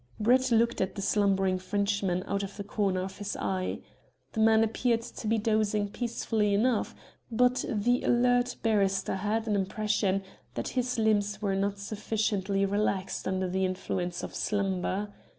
Brett looked at the slumbering Frenchman out of the corner of his eye. The man appeared to be dozing peacefully enough, but the alert barrister had an impression that his limbs were not sufficiently relaxed under the influence of slumber.